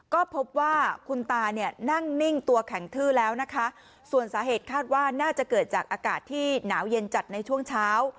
ก็พบว่าคุณตาเนี่ยนั่งนิ่งตัวแข็งทื้อแล้วนะคะส่วนสาเหตุคาดว่าน่าจะเกิดจากอากาศที่หนาวเย็นจัดในช่วงเช้า